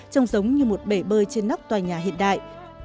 trông giống như một bể bơi trên nóc tòa nhà hiện đại